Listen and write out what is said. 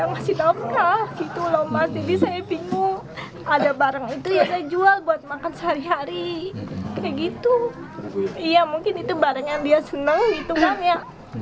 mungkin itu barang yang dia senang gitu kan ya